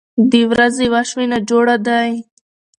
درې ورځې وشوې ناجوړه دی